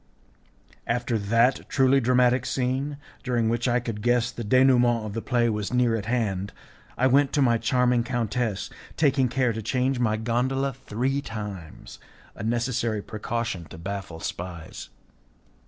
After that truly dramatic scene, during which I could guess that the denouement of the play was near at hand, I went to my charming countess, taking care to change my gondola three times a necessary precaution to baffle spies.